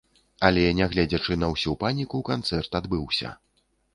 Але, нягледзячы на ўсю паніку, канцэрт адбыўся.